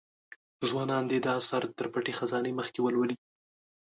ځوانان دي دا اثر تر پټې خزانې مخکې ولولي.